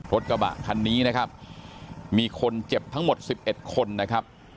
รถกระบะคันนี้นะครับมีคนเจ็บทั้งหมด๑๑คนนะครับ